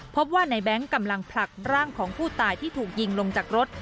พบว่าในแบงค์กำลังผลักร่างของผู้ตายที่ถูกยิงลงจากรถ